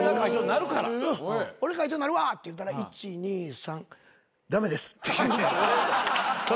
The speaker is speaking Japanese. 俺会長になるわって言ったら１２３駄目です。